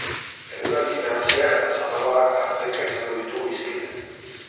Eguraldi nahasia eta zaparradak tarteka izango ditugu hizpide.